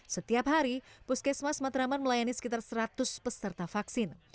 setiap hari puskesmas matraman melayani sekitar seratus peserta vaksin